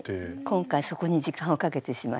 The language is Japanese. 今回そこに時間をかけてしまいました。